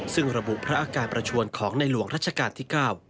ซึ่งระบุพระอาการประชวนของในหลวงรัชกาลที่๙